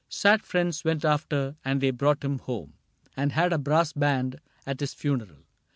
Sad friends went after, and they brought him home And had a brass band at his funeral.